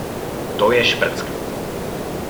To je šprcka.